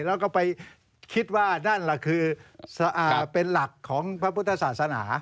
แล้วก็ไปคิดว่านั่นแหละคือเป็นหลักของพระพุทธศาสนา